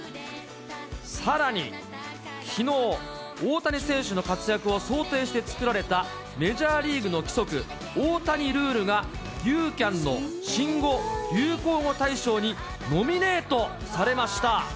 さらにきのう、大谷選手の活躍を想定して作られたメジャーリーグの規則、大谷ルールが、ユーキャンの新語・流行語大賞にノミネートされました。